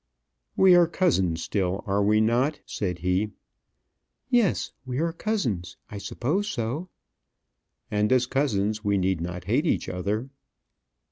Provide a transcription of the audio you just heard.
"We are cousins still, are we not?" said he. "Yes, we are cousins I suppose so." "And as cousins we need not hate each other?"